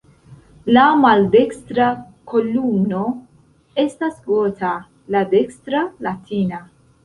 La maldekstra kolumno estas "gota", la dekstra "latina".